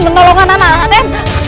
menolong anak anak raden